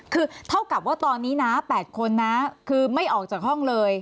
คือเท่ากับว่าตอนนี้นะ๘คนนะคือไม่ออกจากห้องเลย